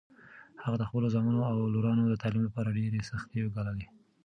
هغه د خپلو زامنو او لورانو د تعلیم لپاره ډېرې سختۍ وګاللې.